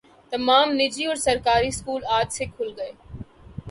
تمام نجی اور سرکاری اسکول آج سے کھل گئے